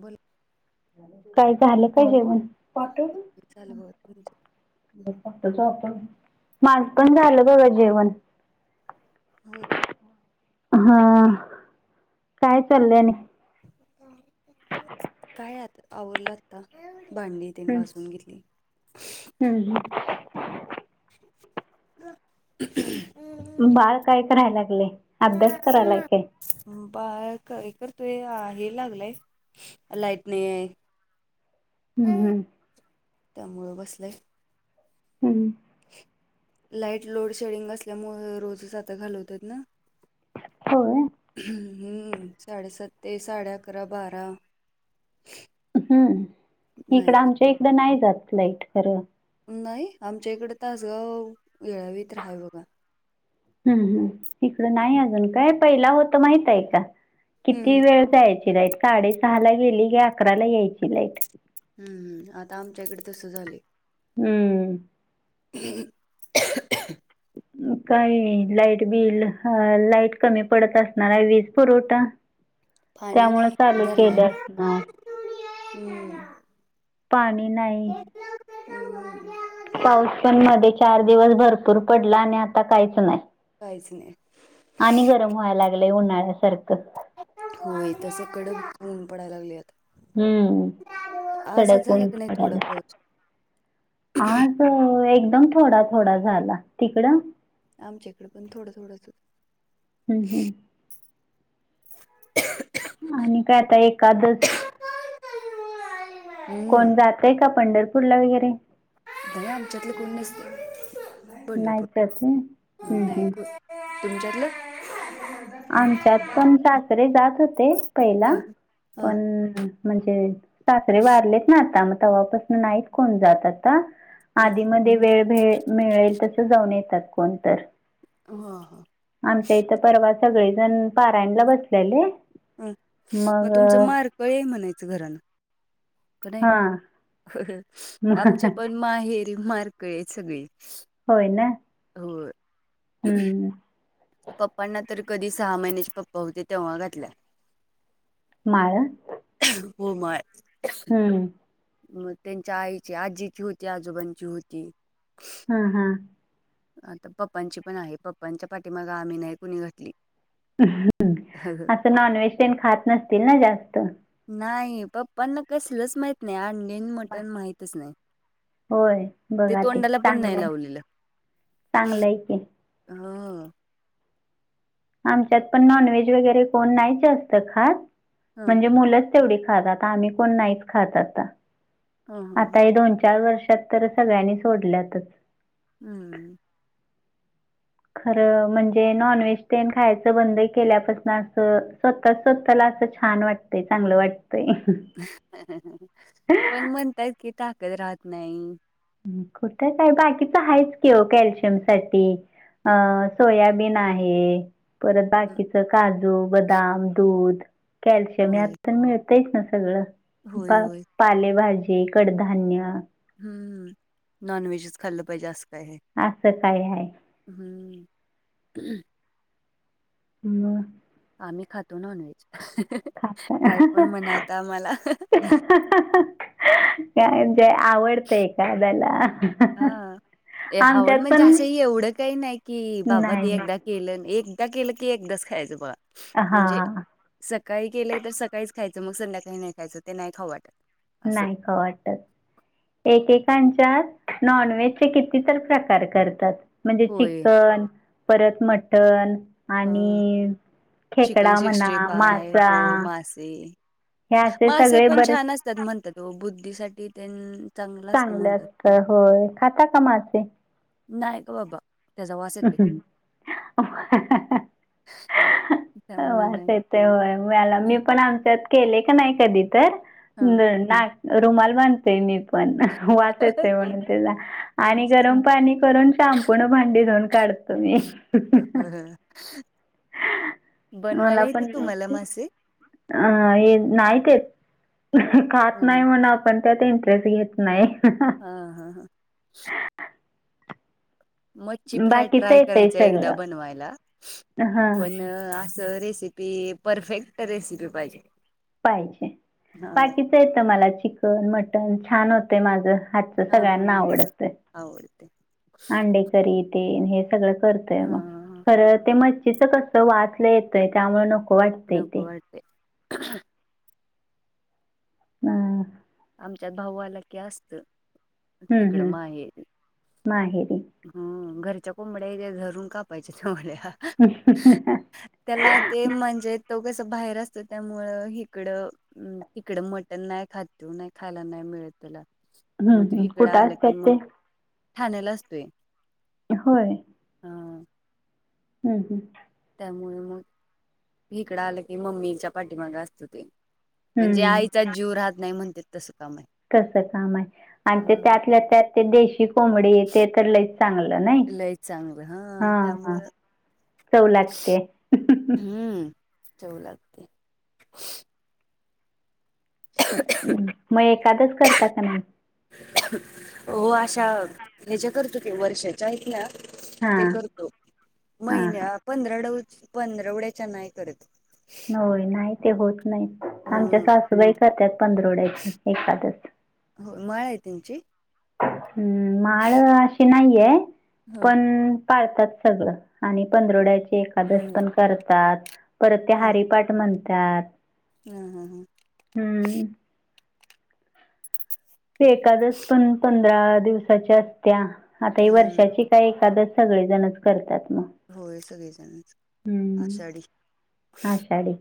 बोला काय झालं काय जेवण झालं बघ तुमच मास पण झालं बघं जेवण हो हा काय चाललंने काय आत आवरलाता भांडी ते हम्म घासून घेतली हम्म ह ह बाळ काय करायला लागले अभ्यास करायला काय बा हे करतय हे लागलय ला त नाही हम् हम्म त्यामुळं बसलाय हं लाईट लोड शेडिंग असल्यामुळे रोजच आता घालवतात ना होय हम्म सढ सत्ते साड्या अकरा बारा हम्म नाही इकडं तर आमच्या इकडं नाही जात फ्लाईट खरं नाही आमच्या इकडे तासगाव येळावीत राहाय बघा हम् हम इकडं नाही अजून काय पहिला होत माहित आहे का किती हम्म वेळ जायची लाईट साडे सहा ला गेली क अकराला यायची लाईट हम्म हम् आता आमच्याकडे तस झालं हम्म ह ह [inaudible] हम् काही लाईट बिल लाईट कमी पडत असणार वीज पुरवठा पाणी त्यामुळे नाही चालू केले धरणात असणार हम्म पाणी नाही हम पाऊस पण मध्ये चार दिवस भरपूर पडला आणि आता काहीच नाही काहीच नाही आणि गरम व्हायला लागलंय उन्हाळ्यासारखं होय तसे कडकऊून पडायला लागले आता हम्म आजच झाला सडकण का नाही झालं थोडा पाऊस आज त एकदम थोडा थोडा झाला तिकडं आमच्याकडे पण थोडं थोडं हो हम हं आणि काय आता एखादच हम्म कोण जातय का पंढरपूरला वगैरे द आमच्यातलं कोण नसत नाही पंढरपूर जात व्हय हम्म हम्म तुमच्यातलं आमच्यात पण सासरे जात होते ह पहिला ह पण म्हणजे साखरे वारलेत ना आता मग तव्हापासून नाहीत कोण जात आता ह आधीमध्ये वेळ भ मिळेल तस जाऊन येतात कोणत हां हां आमच्या इथं परवा सगळेजण पारायणला बसलेले हं मग तुमचं मारकळ आहे म्हणायचं घरानं का नाही हा आमच्या पण माहेरी मारकळे सगळी होय ना हो हम्म. पप्पांना तर कधी सहा महिन्याचे पप्पा होते तेव्हा घातला. माळ. [unintelligible] होय माळ. [unintelligible] हम्म. मग त्यांच्या आईची आजीची होती आजोबांची होती. हम्म हम्म. आता पप्पांची पण आहे पप्पांच्या पाठीमाग आम्ही नाही कुणी घटली. [unintelligible] असं नॉन व्हेज टन खात नसतील ना जास्त. नाही पप्पांना कसलंच माहित नाही अंडीन मटण माहितच नाही. होय बघा ते तोंडाला पण चांगलं नाही आहे लावलेलं चांगलं आहे की. [unintelligible] आमच्यात पण नॉनव्हेज वगैरे कोण नाहीच असतं खास ह म्हणजे मुलंच तेवढ खात आम्ही कोण नाही खात आता आता ह आता दोन चार वर्षात तर सगळ्यांनी सोडलतर. हम्म. खरं म्हणजे नॉनव्हेज ते खायचं बंद केल्यापासून असं स्व त स्वतला असं छान वाटतंय चांगलं वाटतय. [unintelligible] पण म्हणताये की ताकत राहत नाही. कुठं का आहे बाकीच आहेच की ओ कॅल्शियम साठी अ सोयाबीन आहे. परत हं, बाकीच काजू बदाम दूध कॅल्शियम होय यात पण मिळत. च ना सगळं होय प होय. पालेभाजी कडधान्य हम्म नॉन व्हेजच खाल्लं पाहिजे असं काय आहे. असं काय आहे. हम्म. [unintelligible] म. आम्ही खातो नॉनव्हेज [unintelligible] खाता काय पण म्हणत आता आम्हाला. [unintelligible] [unintelligible] काय ते आवडत एखाद्यला. हा आवड म्हणजे असं एवढं काही नाही की बाबा ते नाही एकदा केलं एकदा केलं की एकदाच खायचं बा हा म्हणजे सकाळी केलंय तर सकाळीच खायचं मग संध्याकाळी नाही खायचं ते नाही खाऊ वाटत. असं. नाही खाऊ वाटत. एकेकांच्या नॉनव्हेजचे कितीतर प्रकार करतात. म्हणजे होय. चिकन परत मटण हां. आणि खेकडा म्हणा मासा ते हे असे मासे सगळे पण बरेच छान असतात म्हणतात ओ बुद्धीसाठी त्यान चांगले असत होय खाता का मासे? नाही ग बाबा. त्याचा वास येतोय [unintelligible] त्यामुळे वास नाही. येत तेव्हय मला मी पण आमच्यात केले का नाही कधी तर हां. नाक रुमाल बांधते मी पण [unintelligible] पण वास येते म्हणून त्याला आणि वास येतो. गरम पाणी करून शाम्पू नी भांडी धुवून काढतो मी. [unintelligible] [unintelligible] बनवायला मला पण येते तुम्हाला नाही मासे? अ हे नाहीत खात हं, नाही हं. म्हण पण त्यात इंटरेस्ट घेत नाही [unintelligible] हा हा हा मच्छी फ्राय बाकीच ट्राय येतय करायचा एकदा सगळं बनवायला हा पण असं रेसिपी पी परफेक्ट रेसिपी पाहिजे. पाहिजे हां, बाकीचं येत मला चिकन मटन छान होते माझं हात हां, हां, सगळ्यांना हां. आवडत आवडते. आंडे हे सगळ करतय हां, म हां, हां. खर ते मच्च कस वाचलं येतंय त्यामुळे नको न वाटतंय ते अ नकवाटे ह आमच्यात भाऊला की असतं हम्म तिकडं हम्म माहेरी ह घरच्या कोंबड्या त्या झरून कापायच्या ते मुड्या ह् त्याला ते म्हणजे तो कस बाहेर असतो त्यामुळं हिकडं हम् तिकड मटण नाही खातातो नाही खायला नाही मिळत तला हम्म मग तू हम्म इकडं कुठं आलं की असतात ते मग ठाण्याला असतोय होय हा हम्म हम् त्यामुळे मग इकडं आलं की मम्मीच्या पाठीमागे असतो ते म्हणजे हम्म आईचाच जीव राहत नाही म्हणत तसं काम आहे तस काम आहे आणि ते हा त्यातल्या त्यात ते देशी कोंबडी ते तर ल चांगलं नाही लय चांगलं हा ह त्यामुळं चव लागते हम्म चवलगते मग एखादंच करता का नाही हो अशा हे ज करतो ते वर्षाच्या इथल्या हा ते करतो हा महिन्यात पंधराड पंधरवड्याच्या नाही करत होय नाही ते होत नाही आमच्या हम्म सासूबाई करतात पंधरवड्याची एखादस हो मळ आहे त्यांची हम्म माळ अशी नाहीये हो. पण पाळतात सगळं आणि पंधरड्याचे एकादस हम्म पण करतात परत त्या हारीिपाठ म्हणतात हम हम हा हम्म एखादच पण पंधरा दिवसाच्या असत्या आता ही हम्म वर्षाची का एखाद सगळेजणच करतात मग होय सगळेजण आषाढी हा शाडी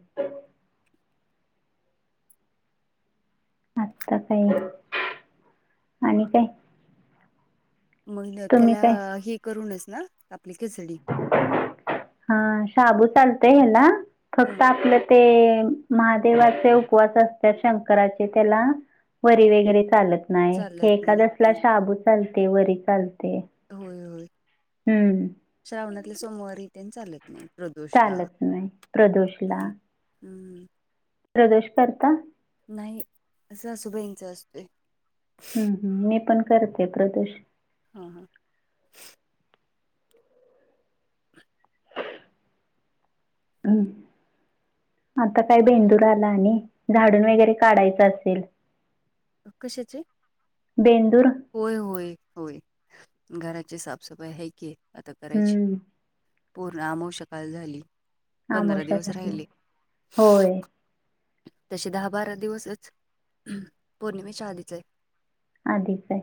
आत्ता काय आणि काय मग तुम्ही त्याला काय हे करूनच ना आपली खचडी हा शाबू चालतय आहे ना ह फक्त आपल्या ते महादेवाचे उपवास असतात शंकराचे त्याला वरी वगैरे चालत नाही चालत हे एखाद नाही असला शाबू चालते वरी चालते होय होय हम्म श्रावणातले सोमवारीही त्यां चालत नाहीत चालच नाही प्रदोष ला हम्म हम्म प्रदोष करता नाही असं सासुबाईंच असतोय. हम् हम मी पण करते प्रदूष हा हा ह आता काय बेंदूर आला आणि झाडून वगैरे काढायचं असेल कशाचे बेंदूर होय होय होय घराची साफसफाई हाय की आता करायची हम्म पूर्ण आमवश्या काल झाली. पंधरा दिवस आमोशाला आहे. राहिले. होय तसे दहा बारा दिवसच पौर्णिमे श आलीच आहे. आधीच आहे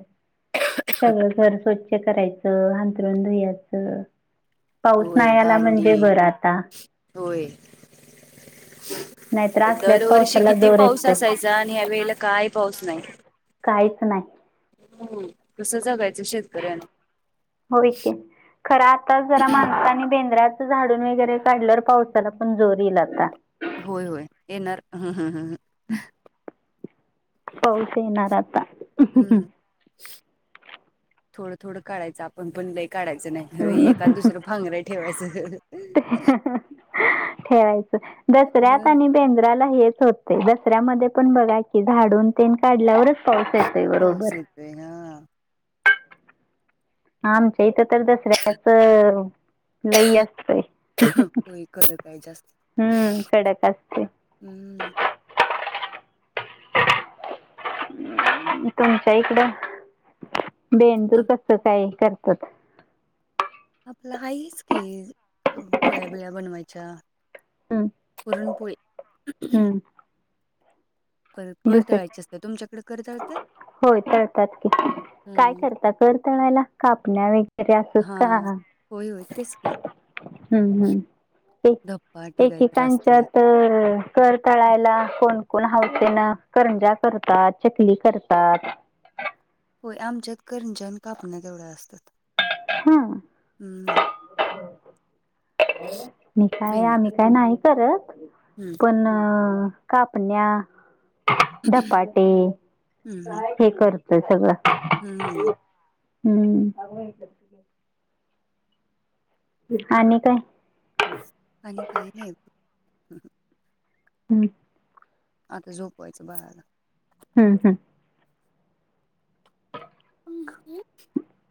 सगळं घर स्वच्छ करायचं. धुयाच पाऊस होय नाही आला म्हणजे भांडी बरं आता होय. ह. दरवर्षी किती पाऊस असायचा आणि ह्या वेळेला काय पाऊस नाही. काहीच नाही. हो कसं जगायचं शेतकऱ्यांन होय कि खरं आता जरा माणसानी बेंद्रात झाडून वगैरे काढल्यावर पावसाला पण जोर येईल आता होय होय येणार ह्हह. पाऊस येणार आता हम्म थोडं थोडं काढयचं आप पण पण लई काढायचं नाही एकाद दुसरं भांगर ठेवायचं. ठेवायचं दसर्यात ह आणि बेंद्राला हेच होतय दसऱ्यामध्ये पण बघा कि झाडून तेन काढल्यावरच पाऊस आहे. पावस येतोय हा. आमच्या इथ तर दसऱ्याच लई असतय. काय जास्त हम्म कडड असतय. हम्म. तुमच्या इकडं बेंदूर कस काय करतात. आपलं आहे हेच की पोळ्या बिळ्या बनवायच्या हम्म पुरणपोळी हम्म कर कर दुसरं दळायचे असते तुमच्याकडे कर दळत्यात. होय तळतात कि काय करता कर तळायला कापण्या वगैरे असंच हां. का होय होय तेच की हम्म हम्म एक धप्पाटी काहीतरी एकेकांच्या असते. तर कर तळायला कोणकोण हौसेनं करंजा करतात चकली करतात. होय आमच्यात कंरज्या आणि कापण्या तेवढ्या असतात हा ह्. मी काय आम्ही बेंद्रात. काय नाही करत हं. पण कापण्या धपाटे हं, हं. हे करत. ते सगळं हं. हम्म. आणि काय? आणि काय नाही. हम्. आता झोपवायच बाळाला हम्म हम्.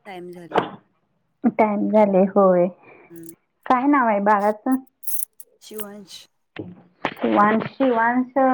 टाईम झालय. टाइम झालय होय हं. काय नाव आहे बाळाचं शिवांश वानशी वांस अ